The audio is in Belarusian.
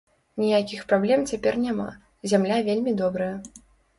Ніякіх праблем цяпер няма, зямля вельмі добрая.